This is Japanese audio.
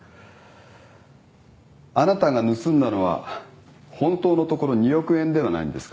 あなたが盗んだのは本当のところ２億円ではないんですか。